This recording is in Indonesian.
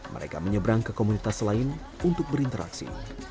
mereka menyeberang ke komunitas lain untuk berinteraksi